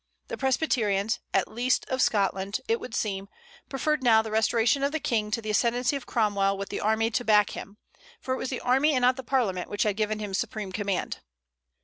The Presbyterians, at least of Scotland, it would seem, preferred now the restoration of the King to the ascendency of Cromwell with the army to back him, for it was the army and not the Parliament which had given him supreme command.